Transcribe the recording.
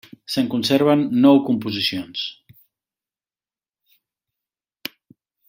Se'n conserven nou composicions.